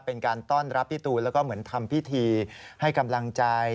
เป็นการต้อนรับพี่ตูนแล้วก็เหมือนทำพิธีให้กำลังใจ